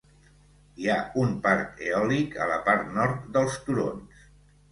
Hi ha un parc eòlic a la part nord dels turons.